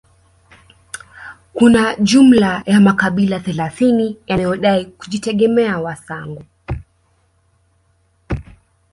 Kuna jumla ya makabila thelathini yanayodai kujitegemea Wasangu